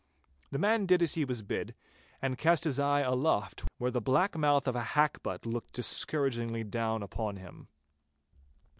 The man did as he was bid, and cast his eye aloft, where the black mouth of a hackbutt looked discouragingly down upon him.